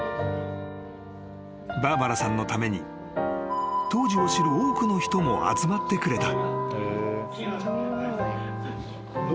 ［バーバラさんのために当時を知る多くの人も集まってくれた］